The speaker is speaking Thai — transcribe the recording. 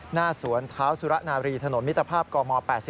หน้าสวนเท้าสุรนารีถนนมิตรภาพกม๘๔